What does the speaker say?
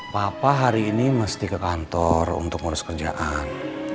papa hari ini mesti ke kantor untuk ngurus kerjaan